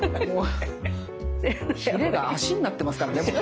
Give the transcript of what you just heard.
ヒレが足になってますからね。